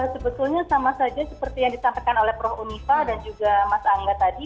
sebetulnya sama saja seperti yang disampaikan oleh prof univa dan juga mas angga tadi